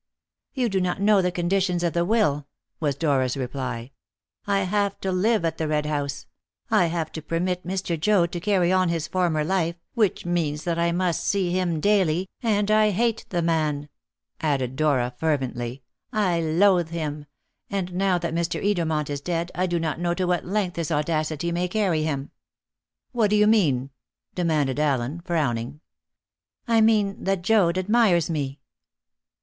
"You do not know the conditions of the will," was Dora's reply. "I have to live at the Red House; I have to permit Mr. Joad to carry on his former life, which means that I must see him daily, and I hate the man," added Dora fervently; "I loathe him; and now that Mr. Edermont is dead, I do not know to what length his audacity may carry him." "What do you mean?" demanded Allen, frowning. "I mean that Joad admires me."